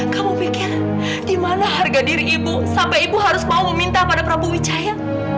kamu pikir di mana harga diri ibu sampai ibu harus mau meminta pada prabu wicaya